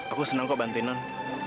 aku senang kok bantuin non